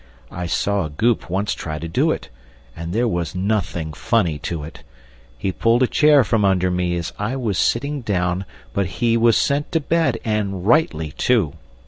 I saw a Goop once try to do it, And there was nothing funny to it. He pulled a chair from under me As I was sitting down; but he Was sent to bed, and rightly, too.